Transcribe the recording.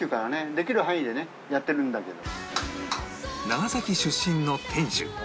長崎出身の店主